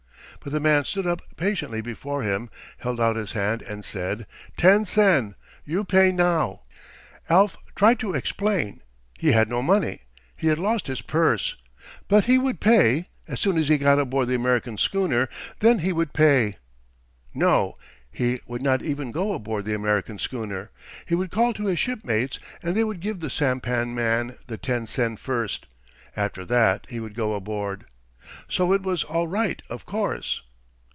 But the man stood up patiently before him, held out his hand, and said, "Ten sen. You pay now." Alf tried to explain. He had no money. He had lost his purse. But he would pay. As soon as he got aboard the American schooner, then he would pay. No; he would not even go aboard the American schooner. He would call to his shipmates, and they would give the sampan man the ten sen first. After that he would go aboard. So it was all right, of course.